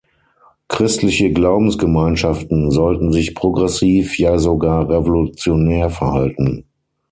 Christliche Glaubensgemeinschaften sollten sich progressiv, ja sogar revolutionär verhalten.